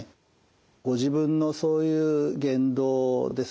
ご自分のそういう言動ですね